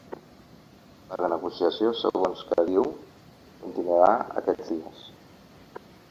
La negociació, segons que diu, continuarà aquests dies.